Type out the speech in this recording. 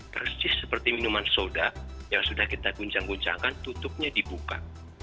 persis seperti minuman soda yang sudah kita guncang guncangkan tutupnya dibuka